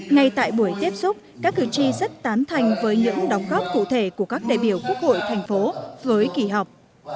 ngay tại buổi tiếp xúc các cử tri rất tán thành với những đóng góp cụ thể của các đại biểu quốc hội thành phố với kỳ họp